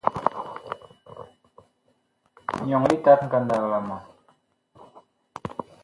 Nyɔŋ litat ngandag la ma.